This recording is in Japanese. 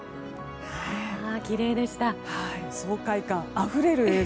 爽快感あふれる映像。